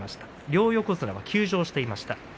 両横綱が休場していました。